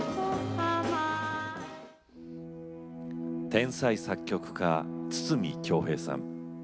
天才作曲家・筒美京平さん